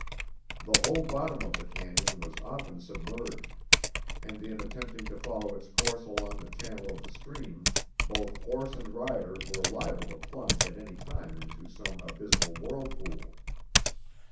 The whole bottom of the cañon was often submerged, and in attempting to follow its course along the channel of the stream, both horse and rider were liable to plunge at any time into some abysmal whirlpool.